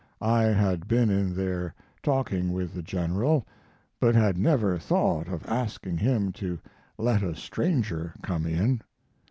I had been in there talking with the General, but had never thought of asking him to let a stranger come in.